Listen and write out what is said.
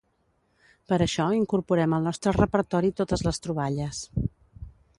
Per això incorporem al nostre repertori totes les troballes.